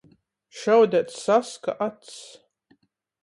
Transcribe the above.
Šaudeit saska acs.